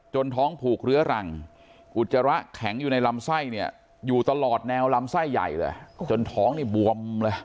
ท้องผูกเรื้อรังอุจจาระแข็งอยู่ในลำไส้เนี่ยอยู่ตลอดแนวลำไส้ใหญ่เลยจนท้องนี่บวมเลย